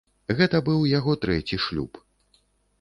Гэта быў яго трэці шлюб.